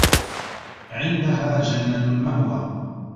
عِندَها جَنَّةُ المَأوى